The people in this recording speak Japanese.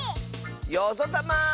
よぞたま！